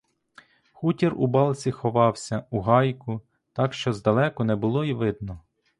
Хутір у балці ховався, у гайку, так що здалеку не було й видно.